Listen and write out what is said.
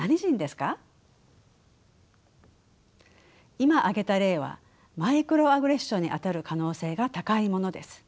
今挙げた例はマイクロアグレッションにあたる可能性が高いものです。